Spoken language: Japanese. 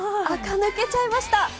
あか抜けちゃいました。